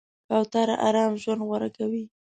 کوتره آرام ژوند غوره کوي.